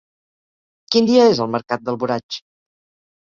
Quin dia és el mercat d'Alboraig?